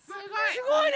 すごいね。